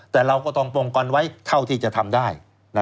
แต่เราก็ต้องป้องกันไว้เท่าที่จะทำได้